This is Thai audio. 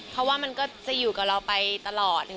เพราะว่ามันก็จะอยู่กับเราไปตลอด